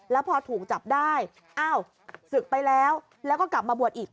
แล้วพอถูกจับได้อ้าวศึกไปแล้วแล้วก็กลับมาบวชอีก